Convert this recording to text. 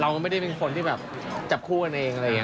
ไม่ได้เป็นคนที่แบบจับคู่กันเองอะไรอย่างนี้